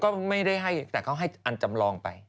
ก็ไม่ได้ให้แต่เขาให้อันจำลองไป